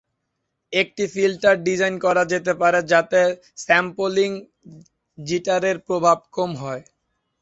একটি filter design করা যেতে পারে যাতে স্যাম্পলিং জিটারের প্রভাব কম হয়।